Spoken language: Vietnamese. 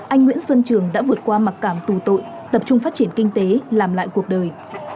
anh nguyễn xuân trường đã vượt qua mặc cảm tù tội tập trung phát triển kinh tế làm lại cuộc đời